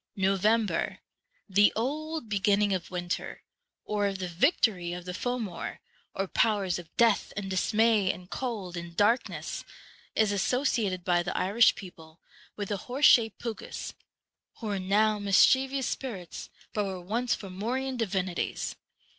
November, the old beginning of winter, or of the victory of the Fomor, or powers of death, and dismay, and cold, and darkness, is asso ciated by the Irish people with the horse shaped Pucas, who are now mischievous spirits, but were once Fomorian divinities.